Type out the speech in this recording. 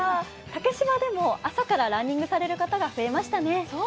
竹芝でも朝からランニングされる方が増えましたね。